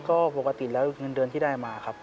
ก็ปกติแล้วเงินเดือนที่ได้มาครับ